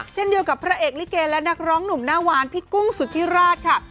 เช่นเดียวกับพระเอกลิเกและนักร้องหนุ่มหน้าหวานพี่กุ้งสุธิราชค่ะ